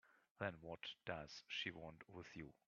Then what does she want with you?